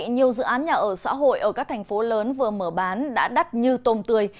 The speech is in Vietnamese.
nhiều dự án nhà ở xã hội ở các thành phố lớn vừa mở bán đã đắt như tôm tươi